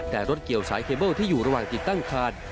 แต่รถเกี่ยวสายเคเบิ้ลที่อยู่ระหว่างติดตั้งคาน